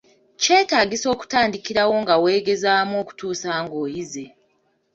Kyetaagisa okutandikirawo nga weegezaamu okutuusa ng’oyize.